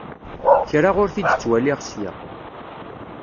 Kra ur t-id-ttwaliɣ ssya.